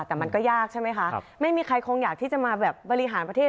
แต่มันก็ยากใช่ไหมคะไม่มีใครคงอยากที่จะมาแบบบริหารประเทศ